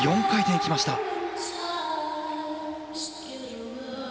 ４回転きました。